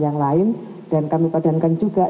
yang lain dan kami padankan juga